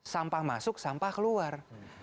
sampah masuk sampah keluar